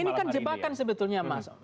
ini kan jebakan sebetulnya mas